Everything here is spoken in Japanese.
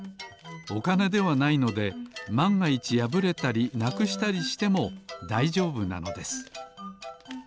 おかねではないのでまんがいちやぶれたりなくしたりしてもだいじょうぶなのです。